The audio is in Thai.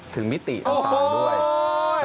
มิติต่างด้วย